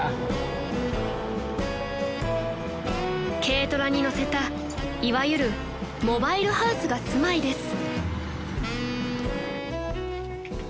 ［軽トラに載せたいわゆるモバイルハウスが住まいです］